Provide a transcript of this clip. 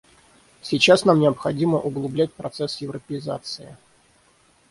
Сейчас нам необходимо углублять процесс европеизации.